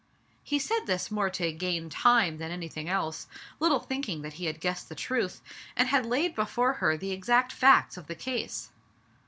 He said this more to gain time than anything else, little thinking that he had guessed the truth, and had laid before her the exact facts of the case.